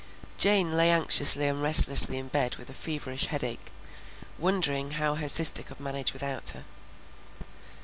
Jane lay anxiously and restlessly in bed with a feverish headache, wondering how her sister could manage without her.